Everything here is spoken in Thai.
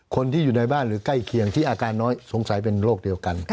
คนที่อยู่ในบ้านหรือใกล้เคียงที่อาการน้อยสงสัยเป็นโรคเดียวกัน